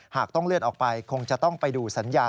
หากต้องเลื่อนออกไปคงจะต้องไปดูสัญญา